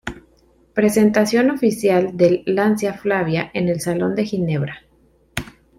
Presentación oficial del Lancia Flavia en el salón de Ginebra